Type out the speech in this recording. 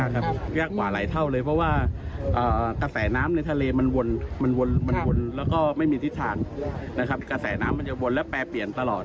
กระแสน้ำมันจะวนแล้วแปรเปลี่ยนตลอด